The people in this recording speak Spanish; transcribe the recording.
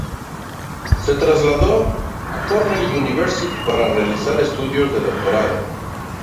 Se trasladó a la Cornell University para realizar estudios de doctorado.